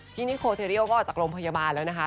พี่นิโคเทรดิโอก็ออกจากโรงพยาบาลแล้วนะคะ